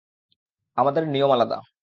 আমাদের নিয়ম আলাদা।